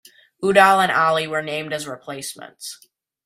Udal and Ali were named as replacements.